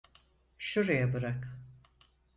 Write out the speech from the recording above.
Şuraya bırak.